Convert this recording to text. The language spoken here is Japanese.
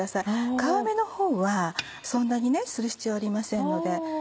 皮目のほうはそんなにする必要ありませんので。